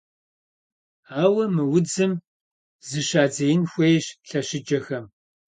Ауэ мы удзым зыщадзеин хуейщ лъэщыджэхэм.